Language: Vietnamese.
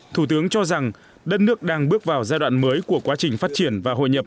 thủ tướng cho rằng đất nước đang bước vào giai đoạn mới của quá trình phát triển và hội nhập